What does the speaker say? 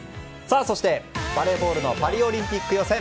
そして、バレーボールのパリオリンピック予選。